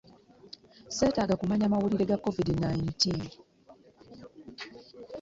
Seetaaga kumanya mawulire ga covid nineteen.